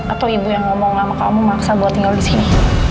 atau ibu yang ngomong sama kamu maksa buat tinggal di sini